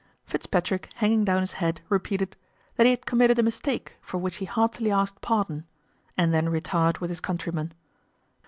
Fitzpatrick, hanging down his head, repeated, "That he had committed a mistake, for which he heartily asked pardon," and then retired with his countryman.